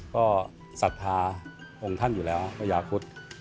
ก็ศรัทธาองค์ท่านอยู่แล้วพญาคุธ